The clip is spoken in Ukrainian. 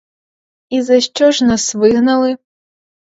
І за що ж нас вигнали?